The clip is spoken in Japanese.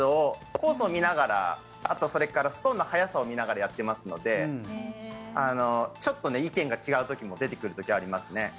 コースを見ながら、あとそれからストーンの速さを見ながらやっていますのでちょっと意見が違う時も出てくる時がありますね。